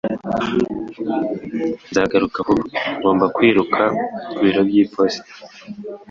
Nzagaruka vuba. Ngomba kwiruka ku biro by'iposita.